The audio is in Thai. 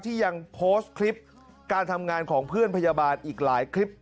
ยังโพสต์คลิปการทำงานของเพื่อนพยาบาลอีกหลายคลิป